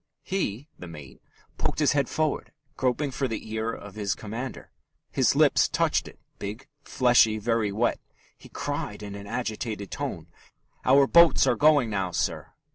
He [the mate] poked his head forward, groping for the ear of his commander. His lips touched it, big, fleshy, very wet. He cried in an agitated tone, "Our boats are going now, sir."